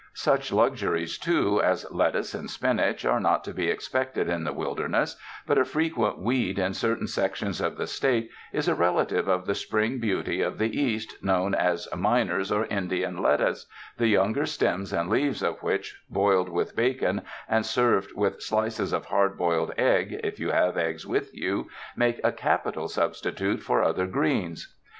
Such luxuries, too, as let tuce and spinach, are not to be expected in the wil derness, but a frequent weed in certain sections of the State is a relative of the Spring Beauty of the East, known as Miners' or Indian Lettuce, the younger stems and leaves of which boiled with bacon and served with slices of hard boiled egg (if you have eggs with you) make a capital substitute for other greens.